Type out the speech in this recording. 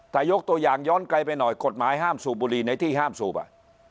ถ้ายกตัวอย่างย้อนไกลไปหน่อยกฎหมายห้ามสูบบุหรี่ในที่ห้ามสูบ